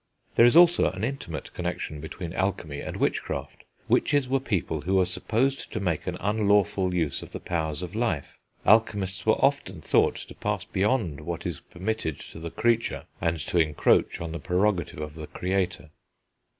There is also an intimate connexion between alchemy and witchcraft. Witches were people who were supposed to make an unlawful use of the powers of life; alchemists were often thought to pass beyond what is permitted to the creature, and to encroach on the prerogative of the Creator.